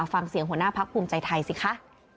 ฟังเสียงหัวหน้าพักภูมิใจไทยสิคะ